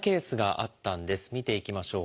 見ていきましょう。